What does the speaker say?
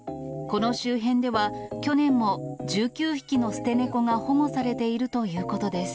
この周辺では、去年も１９匹の捨て猫が保護されているということです。